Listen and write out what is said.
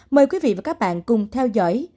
mời quý vị và các bạn cùng theo dõi